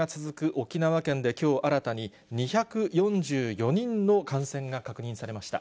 沖縄県できょう新たに２４４人の感染が確認されました。